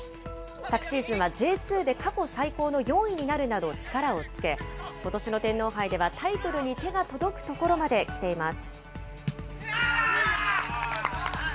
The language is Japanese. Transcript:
昨シーズンはＪ２で過去最高の４位になるなど力をつけ、ことしの天皇杯ではタイトルに手が届くところまで来ています。